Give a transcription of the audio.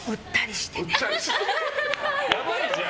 やばいじゃん！